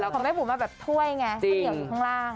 ของแม่บุ๋มมันแบบถ้วยไงสะเหนียวข้างล่าง